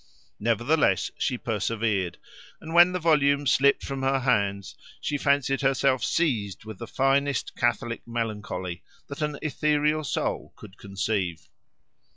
Nevertheless, she persevered; and when the volume slipped from her hands, she fancied herself seized with the finest Catholic melancholy that an ethereal soul could conceive.